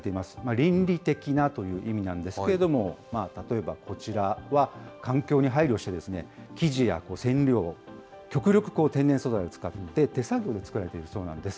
倫理的なという意味なんですけれども、例えばこちらは環境に配慮して、生地や染料を極力、天然素材を使って、手作業で作られているそうなんです。